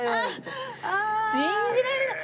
信じられない。